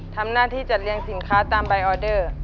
ทำหน้าที่จัดเลี้ยงสินค้าตามใบออเดอร์